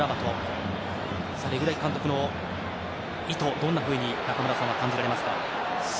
レグラギ監督の意図はどんなふうに中村さんには感じられますか？